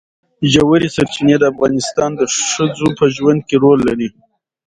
ژورې سرچینې د افغان ښځو په ژوند کې رول لري.